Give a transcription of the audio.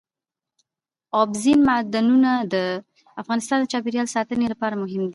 اوبزین معدنونه د افغانستان د چاپیریال ساتنې لپاره مهم دي.